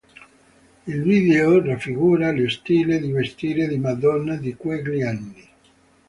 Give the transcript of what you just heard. Il video raffigura lo stile di vestire di Madonna di quegli anni.